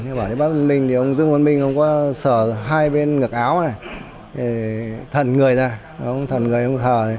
thế ông dương minh thì ông dương minh không có sở hai bên ngực áo này thần người ra thần người không thờ